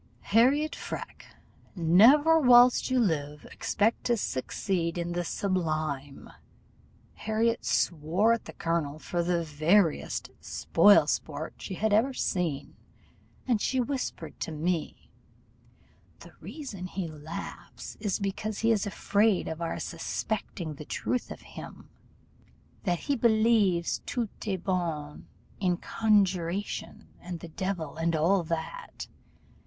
Harriot Freke, never whilst you live expect to succeed in the sublime.' Harriot swore at the colonel for the veriest spoil sport she had ever seen, and she whispered to me 'The reason he laughs is because he is afraid of our suspecting the truth of him, that he believes tout de bon in conjuration, and the devil, and all that.